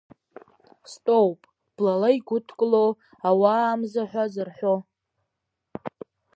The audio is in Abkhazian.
Стәоуп, блала игәыдкыло, ауаа амза ҳәа зарҳәо.